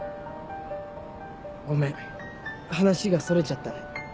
ごめん話がそれちゃったね。